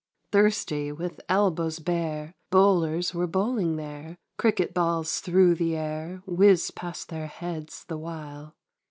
Thirsty with elbows bare. Bowlers were bowling there ; Cricket balls through the air Whizzed past their heads the while.